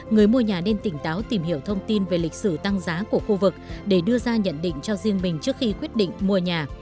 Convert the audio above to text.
người mua nhà nên tỉnh táo tìm hiểu thông tin về lịch sử tăng giá của khu vực để đưa ra nhận định cho riêng mình trước khi quyết định mua nhà